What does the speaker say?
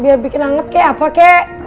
biar bikin anget kek apa kek